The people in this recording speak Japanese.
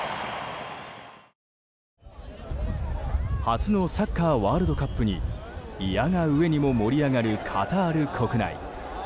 初のサッカーワールドカップにいやがうえにも盛り上がるカタール国内。